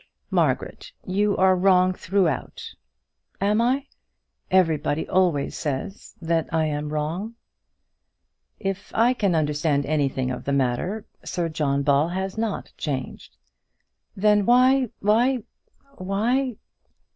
"Margaret, you are wrong throughout." "Am I? Everybody always says that I am always wrong." "If I can understand anything of the matter, Sir John Ball has not changed." "Then, why why why?"